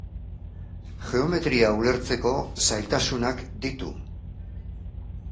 Geometria ulertzeko zailtasunak ditu.